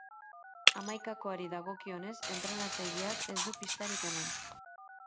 Hamaikakoari dagokionez entrenatzaileak ez du pistarik eman.